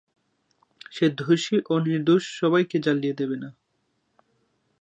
সে দোষী ও নির্দোষ সবাইকে জ্বালিয়ে দেবে না।